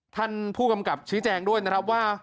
ท่านผู้กำกับชี้แจงด้วยนะครับว่า